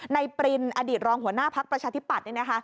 ปรินอดีตรองหัวหน้าพักประชาธิปัตย์